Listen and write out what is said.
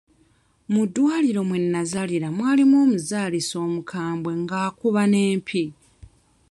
Mu ddwaliro mwe nazaalira mwalimu omuzaalisa omukambwe ng'akuba n'empi.